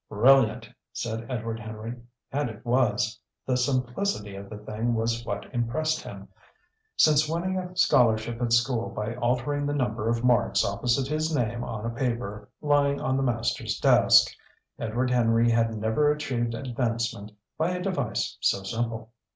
"Brilliant!" said Edward Henry. And it was! The simplicity of the thing was what impressed him. Since winning a scholarship at school by altering the number of marks opposite his name on a paper lying on the master's desk, Edward Henry had never achieved advancement by a device so simple.